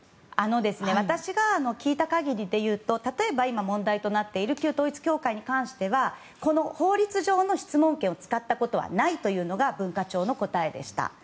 私が聞いた限りで言うと例えば、問題となっている旧統一教会に関してはこの法律上の質問権を使ったことはないというのが文化庁の答えでした。